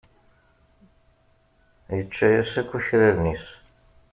Yečča-as akk akraren-is.